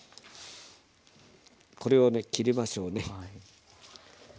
これをね切りましょうね。